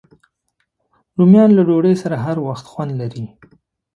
رومیان له ډوډۍ سره هر وخت خوند لري